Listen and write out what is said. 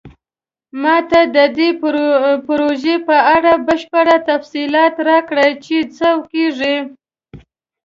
ما ته د دې پروژې په اړه بشپړ تفصیلات راکړئ چې څه کیږي